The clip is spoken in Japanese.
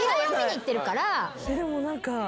でも何か。